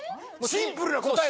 シンプルな答え。